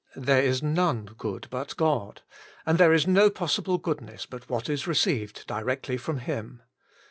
* There is none good but God,' and there is no possible goodness but what ifl received directly from Him.